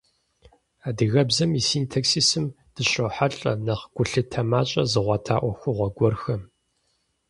Адыгэбзэм и синтаксисым дыщрохьэлӏэ нэхъ гулъытэ мащӏэ зыгъуэта ӏуэхугъуэ гуэрхэм.